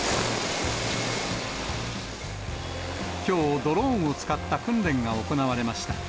きょう、ドローンを使った訓練が行われました。